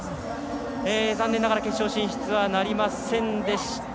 残念ながら決勝進出はなりませんでした。